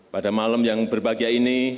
pada malam yang berbahagia ini